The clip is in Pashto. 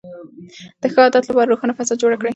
د ښه عادت لپاره روښانه فضا جوړه کړئ.